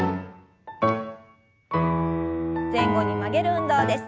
前後に曲げる運動です。